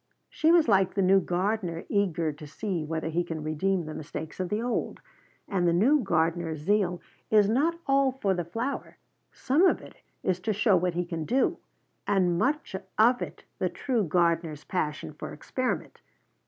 She was like the new gardener eager to see whether he can redeem the mistakes of the old. And the new gardener's zeal is not all for the flower; some of it is to show what he can do, and much of it the true gardener's passion for experiment.